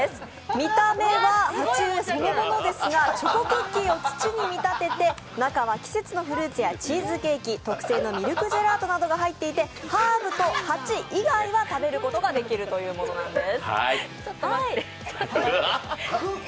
見た目は鉢植えそのものですが、チョコクッキーを土に見立てて中は季節のフルーツやチーズケ−キ、特製のミルクジェラートなどが入っていて、ハーブと鉢以外は食べることができるというものなんです。